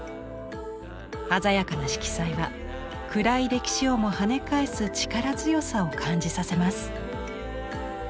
鮮やかな色彩は暗い歴史をもはね返す力強さを感じさせます。